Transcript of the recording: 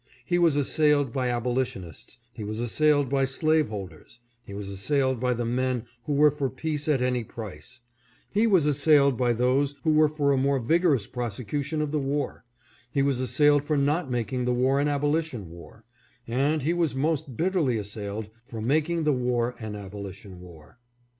He was assailed by abolitionists ; he was assailed by slaveholders ; he was assailed by the men who were for peace at any price ; he was assailed by those who were for a more vigorous prosecution of the war ; he was assailed for not making the war an abolition war; and he was most bitterly assailed for making the war an abolition war.